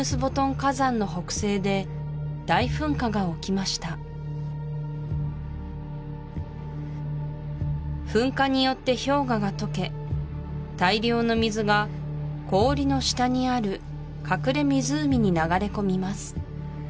火山の北西で大噴火が起きました噴火によって氷河がとけ大量の水が氷の下にある隠れ湖に流れ込みます